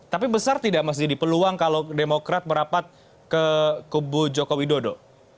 tapi besar tidak mas didi peluang kalau demokrat merapat ke kubu jokowi dodo